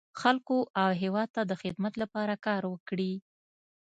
خلکو او هېواد ته د خدمت لپاره کار وکړي.